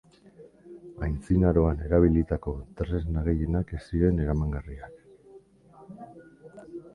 Antzinaroan erabilitako tresna gehienak ez ziren eramangarriak.